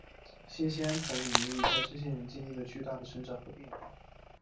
信息安全的领域在最近这些年经历了巨大的成长和进化。